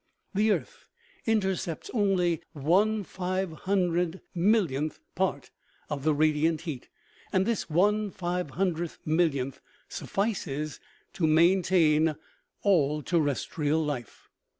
The earth intercepts only one five hundredth millionth part of the radiant heat, and this one five hundredth millionth suffices to maintain all terrestrial life.